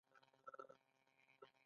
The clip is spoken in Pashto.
ایران د اورګاډي پټلۍ پراخوي.